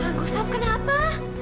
kak gustaf kenapa